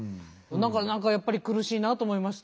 何かやっぱり苦しいなと思いました。